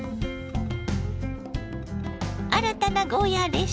新たなゴーヤーレシピ